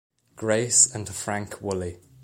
Grace and Frank Woolley.